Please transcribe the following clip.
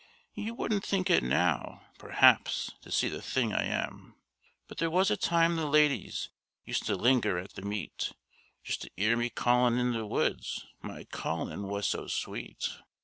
You wouldn't think it now, perhaps, to see the thing I am; But there was a time the ladies used to linger at the meet Just to 'ear me callin' in the woods: my callin' was so sweet.